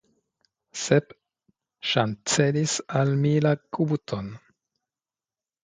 Sep ŝancelis al mi la kubuton.